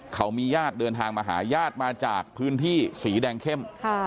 เขามีญาติเดินทางมาหาญาติมาจากพื้นที่สีแดงเข้ม